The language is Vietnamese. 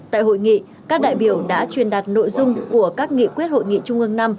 tại hội nghị các đại biểu đã truyền đạt nội dung của các nghị quyết hội nghị trung ương năm